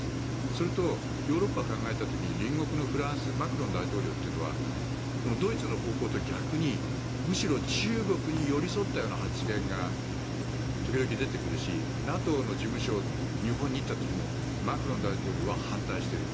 それと、ヨーロッパを考えた時に隣国のフランスマクロン大統領というのはドイツの方向と逆に、むしろ中国に寄り添ったような発言が時々出てくるしＮＡＴＯの事務所を日本にといった時もマクロン大統領は反対している。